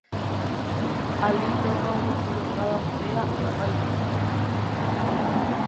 Alí toma unha prolongada cea e fai noite.